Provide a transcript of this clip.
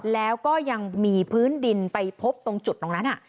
แล้วก็ยังมีพื้นดินไปพบตรงจุดตรงนั้น